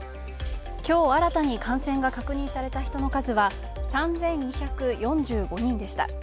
今日新たに感染が確認された人の数は３２４５人でした。